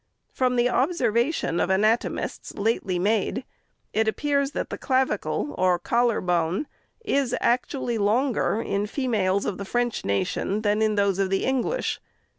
From the observation of anatomists, lately made, it appears that the clavicle or collar bone is actually longer in females of the French nation, than in those of the English.